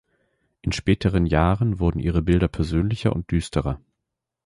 In späteren Jahren wurden ihre Bilder persönlicher und düsterer.